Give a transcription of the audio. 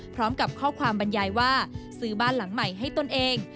พร้อมกับข้อความบรรยายว่าซื้อบ้านหลังใหม่ให้ตนเอง